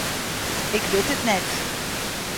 Ik wit it net.